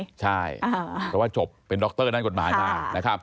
เพราะว่าจบเป็นดรนั่นกฎหมายมา